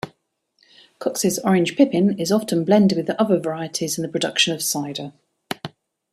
Cox's Orange Pippin is often blended with other varieties in the production of cider.